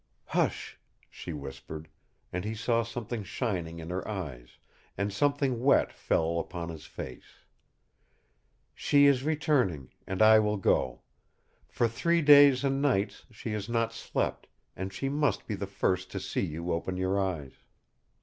"Hush," she whispered, and he saw something shining in her eyes, and something wet fell upon his face. "She is returning and I will go. For three days and nights she has not slept, and she must be the first to see you open your eyes."